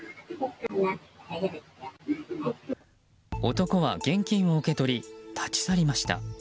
男は、現金を受け取り立ち去りました。